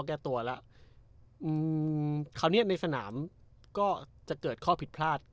แก้ตัวแล้วอืมคราวเนี้ยในสนามก็จะเกิดข้อผิดพลาด